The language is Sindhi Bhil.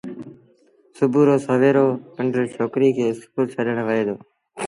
سُڀو رو سويرو پنڊري ڇوڪري کي اسڪول ڇڏڻ وهي دو۔